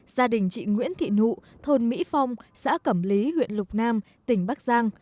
gia đình chị nguyễn thị nụ thôn mỹ phong xã cẩm lý huyện lục nam tỉnh bắc giang